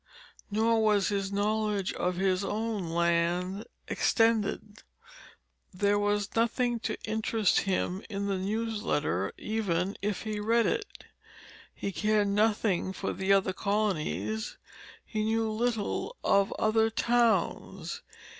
Nor was his knowledge of his own land extended. There was nothing to interest him in the newsletter, even if he read it. He cared nothing for the other colonies, he knew little of other towns.